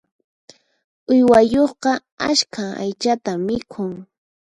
Uywayuqqa askha aychatan mikhun.